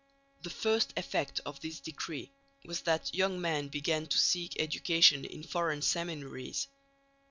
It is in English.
The first effect of this decree was that young men began to seek education in foreign seminaries.